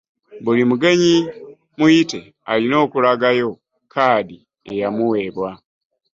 Buli mugenyi muyite alina okula gayo kaadi eyamuweebwa.